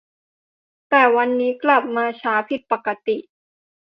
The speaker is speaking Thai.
แต่วันนี้กลับมาช้าผิดปกติ